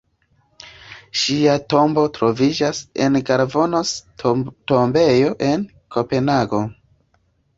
Ŝia tombo troviĝas en Garnisons-Tombejo, en Kopenhago.